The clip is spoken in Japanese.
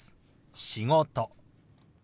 「仕事」。